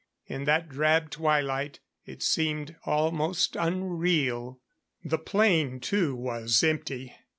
In that drab twilight, it seemed almost unreal. The plain too, was empty.